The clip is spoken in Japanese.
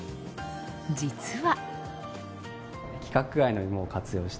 実は。